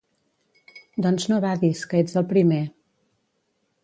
—Doncs no badis que ets el primer.